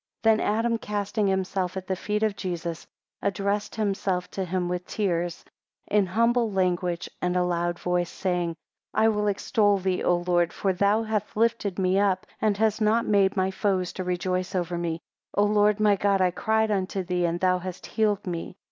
4 Then Adam, casting himself at the feet of Jesus, addressed himself to him with tears, in humble language, and a loud voice, saying, 5 "I will extol thee, O Lord, for thou halt lifted me up, and hast not made my foes to rejoice over me. O Lord my God, I cried unto thee, and thou hast healed me."